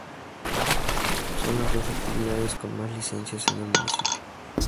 Son las dos actividades con más licencias en el municipio.